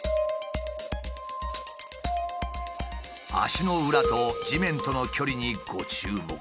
足の裏と地面との距離にご注目。